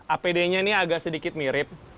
apd nya ini agak sedikit mirip